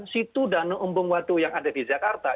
situ dan umpeng waduh yang ada di jakarta